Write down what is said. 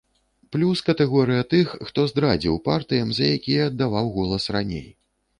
Плюс катэгорыя тых, хто здрадзіў партыям, за якія аддаваў голас раней.